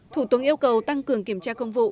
thủ tướng yêu cầu tăng cường kiểm tra công vụ